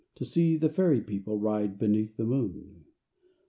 To see the Fairy People ride Beneath the moon.